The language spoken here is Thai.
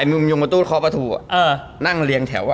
ไอ้มิงยมมะทูดคอปปะทูอ่ะนั่งเรียงแถวอ่ะ